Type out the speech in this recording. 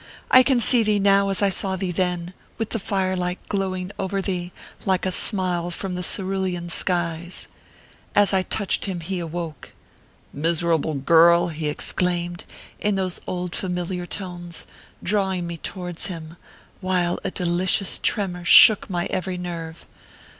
I can see thee now as I saw thee then, with the firelight glowing over thee ; like a smile from the cerulean skies ! As I touched him, he awoke. " Miserable girl !" he exclaimed, in those old fami liar tones, drawing me towards him, while a delicious tremor shook my every nerve.